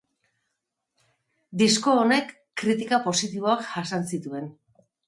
Disko honek kritika positiboak jasan zituen.